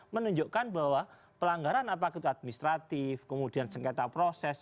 menunjukkan bahwa pelanggaran apakah itu administratif kemudian sengketa proses